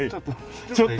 ちょっと。